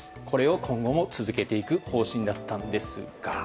これを今後も続けていく方針だったんですが。